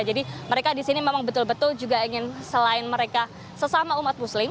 jadi mereka disini memang betul betul juga ingin selain mereka sesama umat muslim